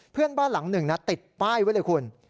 เพื่อนบ้านหลังหนึ่งนะติดป้ายไว้เลยคุณ